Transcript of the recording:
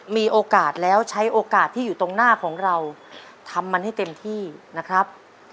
มีโอกาสแล้วใช้โอกาสที่อยู่ตรงหน้าของเราทำมันให้เต็มที่นะครับ